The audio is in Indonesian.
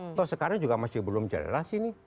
atau sekarang juga masih belum jelas ini